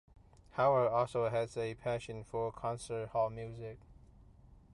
Howard also has a passion for concert hall music.